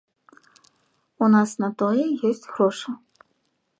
У нас на тое ёсць грошы.